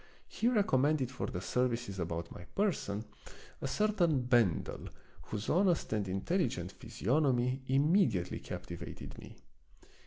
He recommended for the services about my person a certain Ben del, whose honest and intelligent physiognomy immediately captivated me.